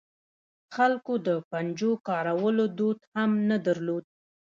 خلکو د پنجو کارولو دود هم نه درلود.